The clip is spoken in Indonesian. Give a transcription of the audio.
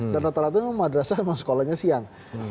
dan rata ratanya madrasah memang sekolahnya siang